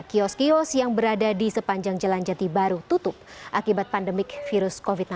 kios kios yang berada di sepanjang jalan jati baru tutup akibat pandemik virus covid sembilan belas